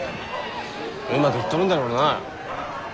うまくいっとるんだろうな？